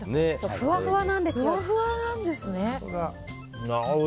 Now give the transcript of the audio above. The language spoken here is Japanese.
ふわふわなんですね。